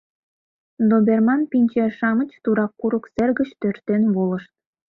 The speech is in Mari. Доберман-пинчер-шамыч тура курык сер гыч тӧрштен волышт.